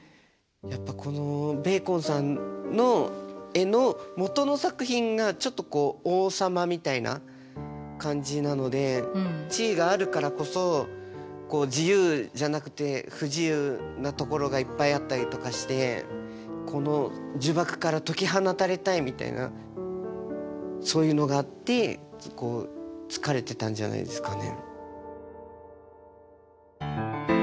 やっぱこのベーコンさんの絵の元の作品がちょっとこう王様みたいな感じなので地位があるからこそ自由じゃなくて不自由なところがいっぱいあったりとかしてこの呪縛から解き放たれたいみたいなそういうのがあって疲れてたんじゃないですかね。